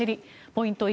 ポイント